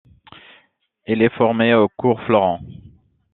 Il est formé au Cours Florent.